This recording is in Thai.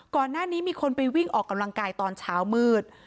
ก่อนหน้านี้มีคนไปวิ่งออกกำลังกายตอนเช้ามืด